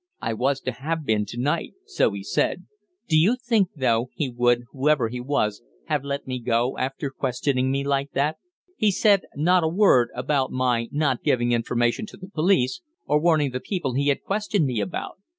"I was to have been, to night so he said. Do you think, though, he would, whoever he was, have let me go after questioning me like that? He said not a word about my not giving information to the police, or warning the people he had questioned me about.